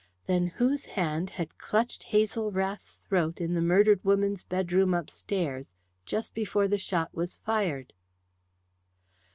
Then whose hand had clutched Hazel Rath's throat in the murdered woman's bedroom upstairs, just before the shot was fired?